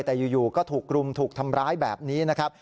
แต่อยู่ก็ถูกรุมถูกทำร้ายแบบนี้นะครับ